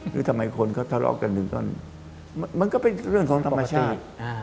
คือทำไมคนเขาทะเลาะกันถึงต้นมันก็เป็นเรื่องของธรรมชาติ